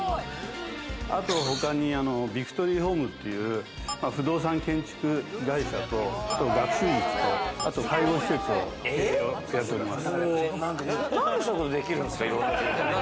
あと他にビクトリーホームという不動産建築会社と学習塾と介護施設をやっております。